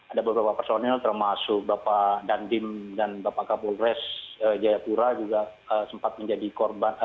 ada beberapa personil termasuk bapak dandim dan bapak kapolres jayapura juga sempat menjadi korban